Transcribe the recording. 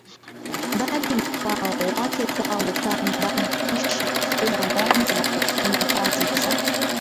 mbali na kwao wake zao hukaa nyumbani Moshi kufuga ngombe na kufanya kazi za